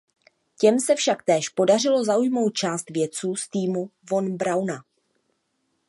Těm se však též podařilo zajmout část vědců z týmu von Brauna.